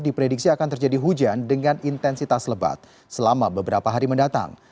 diprediksi akan terjadi hujan dengan intensitas lebat selama beberapa hari mendatang